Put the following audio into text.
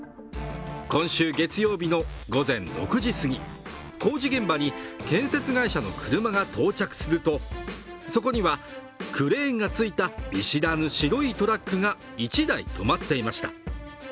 今週月曜日の午前６時すぎ工事現場に建設会社の車が到着するとそこには、クレーンがついた見知らぬ白いトラックが１台、止まっていました。